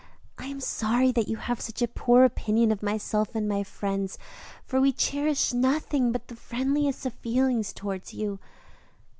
I am sorry that you have such a poor opinion of myself and my friends, for we cherish nothing but the friendliest feelings toward you."